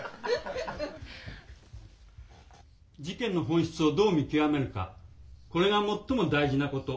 事件の本質をどう見極めるかこれが最も大事なこと。